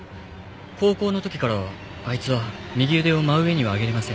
高校の時からあいつは右腕を真上には上げられません。